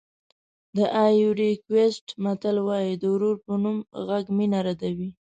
د ایوُري کوسټ متل وایي د ورور په نوم غږ مینه ردوي.